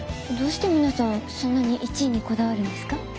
どうして皆さんそんなに１位にこだわるんですか？